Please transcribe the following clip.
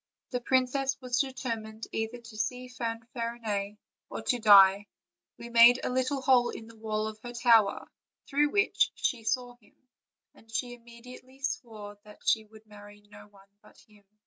The princess was determined either to see Fanfarinet or to die; we made a little hole in the wall of her tower, through which she saw him, and she immediately swore that she would marry no one but him."